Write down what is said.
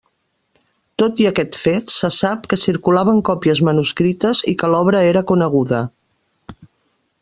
Tot i aquest fet, se sap que circulaven còpies manuscrites i que l'obra era coneguda.